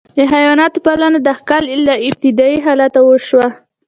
د حیواناتو پالنه د ښکار له ابتدايي حالته وشوه.